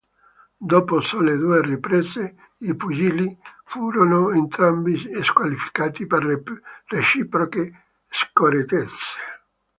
Dopo sole due riprese i pugili furono entrambi squalificati per reciproche scorrettezze.